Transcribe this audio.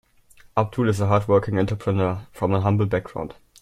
Abdul is a hard working entrepreneur from a humble background.